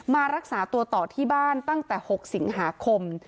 มารักษาตัวต่อที่บ้านตั้งแต่๖สิงหาคม